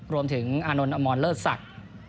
รวมถึงอานนท์อมรเลิศศักดิ์